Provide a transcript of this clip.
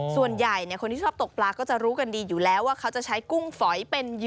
ส่วนใหญ่คนที่ชอบตกปลาก็จะรู้กันดีอยู่แล้วว่าเขาจะใช้กุ้งฝอยเป็นเหย